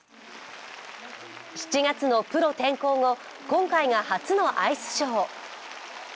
７月のプロ転向後、今回が初のアイスショー。